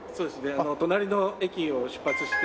あの隣の駅を出発して。